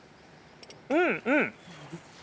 うん、うん！